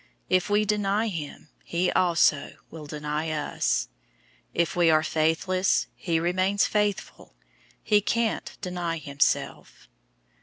If we deny him, he also will deny us. 002:013 If we are faithless, he remains faithful. He can't deny himself."